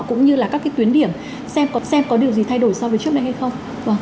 cũng như là các cái tuyến điểm xem có điều gì thay đổi so với trước đây hay không